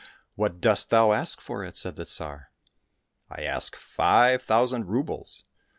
" What dost thou ask for it ?" said the Tsar. —" I ask five thousand roubles."